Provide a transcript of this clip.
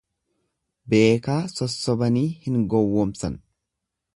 Beekaa sossobanii hin gowwomsan.